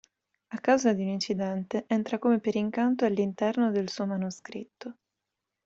A causa di un incidente entra come per incanto all'interno del suo manoscritto.